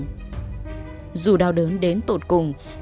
dù đau đớn đến tụt cùng nhưng ông vẫn không thể đánh đổi tính mạng mình